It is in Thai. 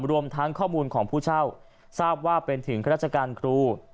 รวมทั้งข้อมูลของผู้เช่าทราบว่าเป็นถึงข้าราชการครู